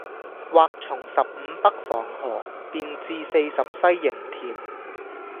或從十五北防河，便至四十西營田。